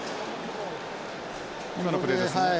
今のプレーですね。